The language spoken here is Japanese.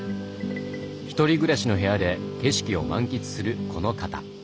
１人暮らしの部屋で景色を満喫するこの方。